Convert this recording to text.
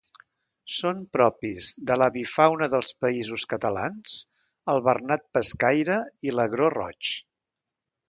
Són propis de l'avifauna dels Països Catalans el bernat pescaire i l'agró roig.